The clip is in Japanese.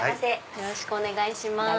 よろしくお願いします。